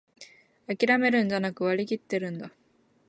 あきらめるんじゃなく、割りきってるんだ